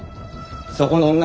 そこの女